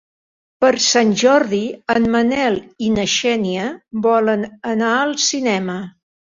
Per Sant Jordi en Manel i na Xènia volen anar al cinema.